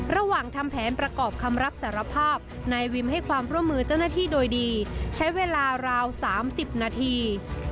ระหว่างทำแผนประกอบคำรักษารภาพนายวิมให้ความพร่อมือเจ้าหน้าที่โดยดีใช้เวลาราวสามสิบนาที